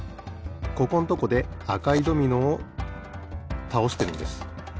ここんとこであかいドミノをたおしてるんです。